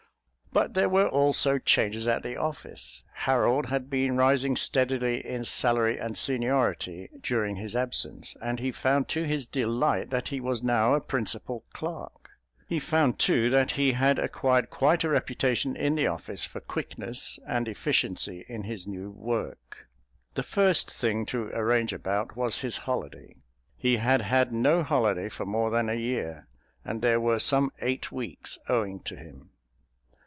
But there were also changes at the office. Harold had been rising steadily in salary and seniority during his absence, and he found to his delight that he was now a Principal Clerk. He found too that he had acquired quite a reputation in the office for quickness and efficiency in his new work. The first thing to arrange about was his holiday. He had had no holiday for more than a year, and there were some eight weeks owing to him.